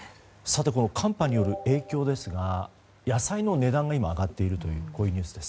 この寒波による影響ですが野菜の値段が今上がっているというニュースです。